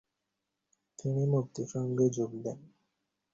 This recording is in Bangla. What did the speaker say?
তিনি মুক্তি সংঘে যোগ দেন।